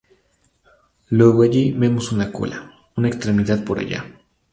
Luego allí vemos una cola, una extremidad por allá.